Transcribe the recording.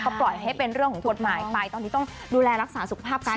ปล่อยให้เป็นเรื่องของกฎหมายไปตอนนี้ต้องดูแลรักษาสุขภาพกัน